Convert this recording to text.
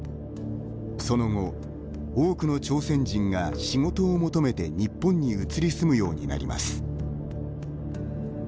その後、多くの朝鮮人が仕事を求めて日本に移り住むようになります。